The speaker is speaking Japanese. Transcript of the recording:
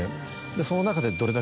その中で。